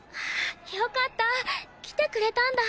よかった。来てくれたんだ。